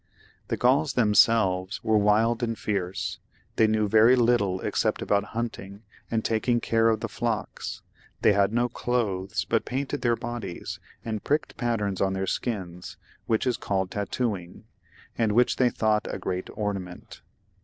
The Gkuls themselves were wild and fierce; they knew very little, except about hunting and taking care of the flocks ; they had no clothes, but painted their bodies, and pricked patterns on then skins, which is called tattoomg, and which they thought a great ornament.